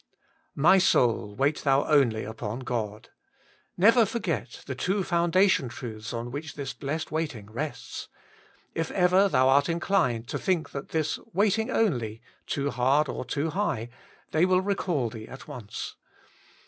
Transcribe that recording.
* My soul, wait thou only upon God.' Never forget the two foundation truths on which this blessed waiting rests. If ever thou art inclined to think this * waiting only' too hard or too high, they will recall thee at once.